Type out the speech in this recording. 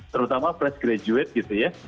terutama fresh graduate gitu ya